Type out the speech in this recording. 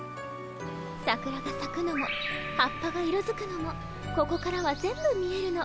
さくらがさくのも葉っぱが色づくのもここからは全部見えるの。